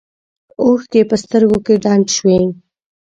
اوښکې په سترګو کې ډنډ شوې.